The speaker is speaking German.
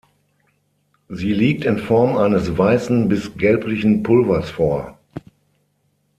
Sie liegt in Form eines weißen bis gelblichen Pulvers vor.